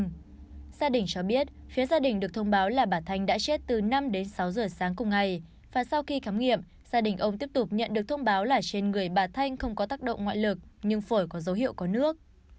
nhưng gia đình cho biết phía gia đình được thông báo là bà thanh đã chết từ năm đến sáu giờ sáng cùng ngày và sau khi khám nghiệm gia đình ông tiếp tục nhận được thông báo là trên người bà thanh không có tác động ngoại lực nhưng phổi có dấu hiệu có nước